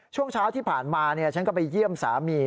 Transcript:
ช่วงเช้าที่ผ่านมาฉันก็ไปเยี่ยมสามี